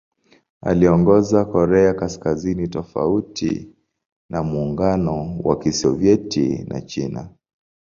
Aliongoza Korea Kaskazini tofauti na Muungano wa Kisovyeti na China.